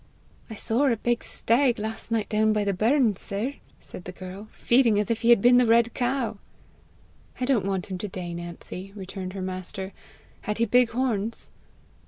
"I saw a big stag last night down by the burn, sir," said the girl, "feeding as if he had been the red cow." "I don't want him to day, Nancy," returned her master. "Had he big horns?"